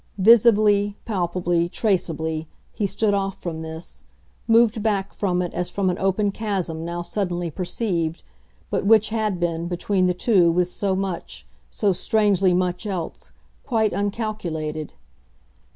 Visibly, palpably, traceably, he stood off from this, moved back from it as from an open chasm now suddenly perceived, but which had been, between the two, with so much, so strangely much else, quite uncalculated.